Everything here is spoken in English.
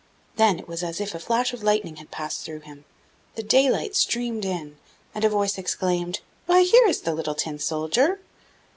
Then it was as if a flash of lightning had passed through him; the daylight streamed in, and a voice exclaimed, 'Why, here is the little Tin soldier!